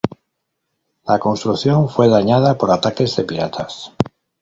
La construcción fue dañada por ataques de piratas.